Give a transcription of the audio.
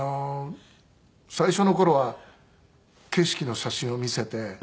最初の頃は景色の写真を見せて。